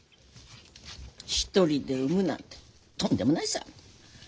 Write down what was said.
１人で産むなんてとんでもないさ。